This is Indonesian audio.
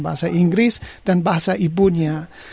bahasa inggris dan bahasa ibunya